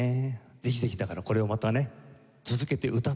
ぜひぜひだからこれをまたね続けて歌ってください。